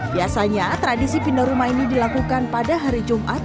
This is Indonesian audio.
biasanya tradisi pindah rumah ini dilakukan pada hari jumat